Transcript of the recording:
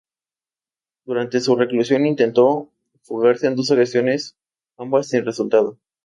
Durante su reclusión intentó fugarse en dos ocasiones, ambas sin resultado.